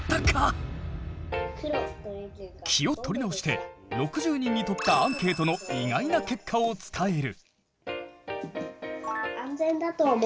気を取り直して６０人にとったアンケートの意外な結果を伝える。